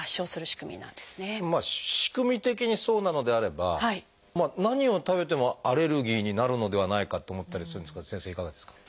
仕組み的にそうなのであれば何を食べてもアレルギーになるのではないかと思ったりするんですが先生いかがですか？